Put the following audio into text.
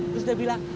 terus dia bilang